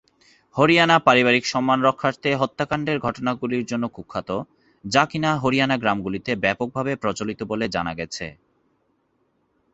হরিয়ানা পারিবারিক সম্মান রক্ষার্থে হত্যাকাণ্ডের ঘটনাগুলির জন্য কুখ্যাত, যা কিনা হরিয়ানা গ্রামগুলিতে ব্যাপকভাবে প্রচলিত বলে জানা গেছে।